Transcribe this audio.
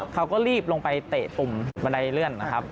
เขาก็รีบลงไปเตะตุ่มบันไดเลื่อนนะครับ